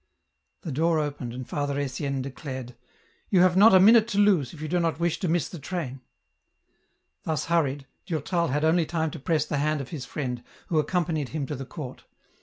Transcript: The door opened and Father Etienne declared, " You have not a minute to lose, if you do not wish to miss the train." Thus hurried, Durtal had only time to press the hand of his friend, who accompanied him to the court.